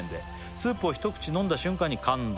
「スープを一口飲んだ瞬間に感動」